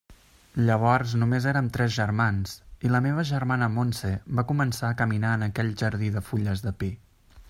Llavors només érem tres germans i la meva germana Montse va començar a caminar en aquell jardí de fulles de pi.